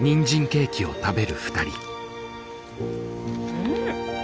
うん！